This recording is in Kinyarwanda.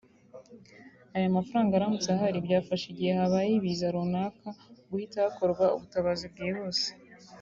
Aya mafaranga aramutse ahari byafasha igihe habaye ibiza runaka guhita hakorwa ubutabazi bwihuse